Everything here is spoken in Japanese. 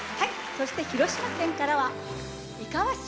そして広島県からは伊賀和志